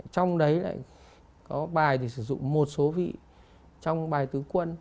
trong đấy lại có bài thì sử dụng một số vị trong bài tứ quân